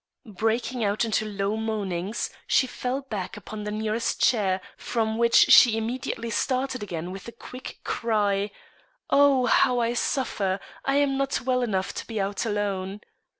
Breaking out into low moanings, she fell back upon the nearest chair, from which she immediately started again with the quick cry, "Oh, how I suffer! I am not well enough to be out alone."